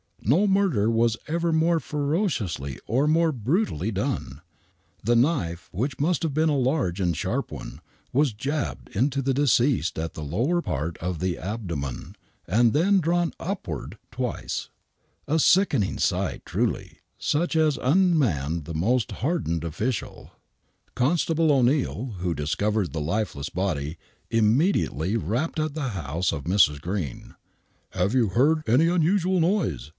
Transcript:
No murder was ever more ferociously or more brutally done. The knife, which must Iiave been a large and sharp one, was jabbed into the deceased at the lower pari of the abdomen, and then drawn upward twice. A sickening sight, truly, such as unmanned the most hardened official. Constable O'Neill, who discovered the lifeless body, im mediately rapped at the house of Mrs. Green. " Have you heard any unusual noise